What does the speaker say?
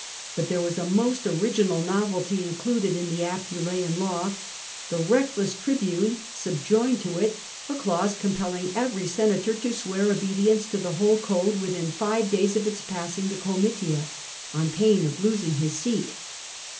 But there was a most original novelty included in the Appu leian Law : the reckless tribune subjoined to it a clause compelling every senator to swear obedience to the whole code within five days of its passing the Comitia, on pain of losing his seat.